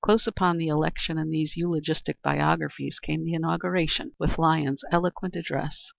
Close upon the election and these eulogistic biographies came the inauguration, with Lyons's eloquent address.